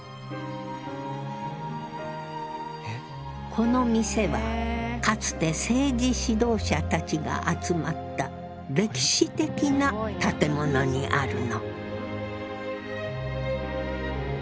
この店はかつて政治指導者たちが集まった歴史的な建物にあるの。